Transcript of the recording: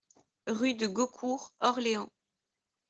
Rue de Gaucourt, Orléans